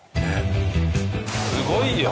すごいよ。